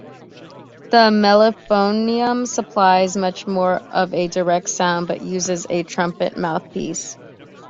The mellophonium supplies much more of a direct sound but uses a trumpet mouthpiece.